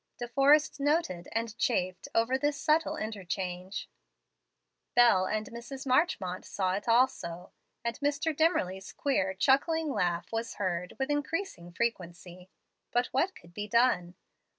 De Forrest noted and chafed over this subtile interchange. Bel and Mrs. Marchmont saw it also, and Mr. Dimmerly's queer chuckling laugh was heard with increasing frequency. But what could be done?